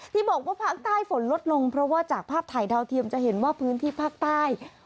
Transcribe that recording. ที่บอกว่าภาคใต้ฝนลดลงเพราะว่าจากภาพถ่ายดาวเทียมจะเห็นว่าพื้นที่ภาคใต้